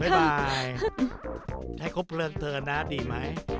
บ๊ายบายให้ครบเริงเธอนะดีไหม